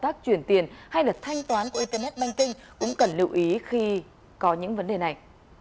tác chuyển tiền hay là thanh toán qua internet banking cũng cần lưu ý khi có những vấn đề này